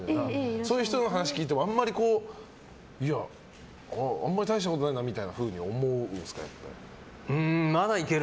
そういう人の話聞いてもあんまり大したことないなみたいなふうに思うんですか？